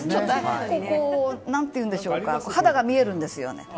何というんでしょうか肌が見えるんですよね。